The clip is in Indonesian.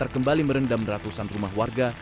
kembali merendam ratusan rumah warga